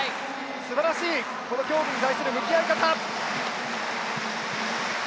すばらしい競技に対する向き合い方。